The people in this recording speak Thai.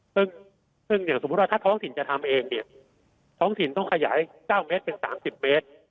ซึ่งอย่างสมมุติว่าถ้าท้องถิ่นจะทำเองเนี่ยท้องถิ่นต้องขยาย๙เมตรเป็น๓๐เมตร